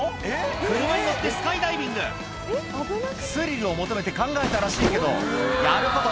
車に乗ってスカイダイビングスリルを求めて考えたらしいけどやること